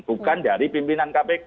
bukan dari pimpinan kpk